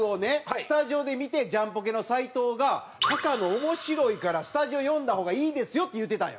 スタジオで見てジャンポケの斉藤が「高野面白いからスタジオ呼んだ方がいいですよ」って言うてたんよ。